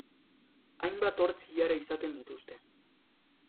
Hainbat hortz ilara izaten dituzte.